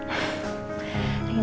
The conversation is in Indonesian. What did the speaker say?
sama om baik juga